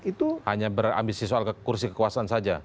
itu hanya berambisi soal kursi kekuasaan saja